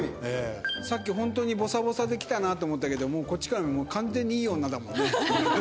さっきホントにぼさぼさで来たなと思ったけどこっちからはもう完全にいい女だもんね。